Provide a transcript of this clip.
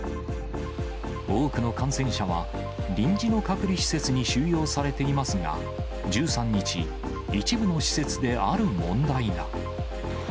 多くの感染者は臨時の隔離施設に収容されていますが、１３日、一部の施設である問題が。